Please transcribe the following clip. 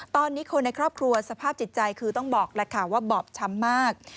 ตอนนี้คนในครอบครัวสภาพจิตใจคือต้องบอกแล้วค่ะว่าบอบช้ำมาก